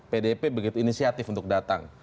pdip begitu inisiatif untuk datang